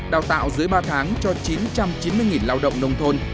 đào tạo dưới ba tháng cho chín trăm chín mươi lao động nông thôn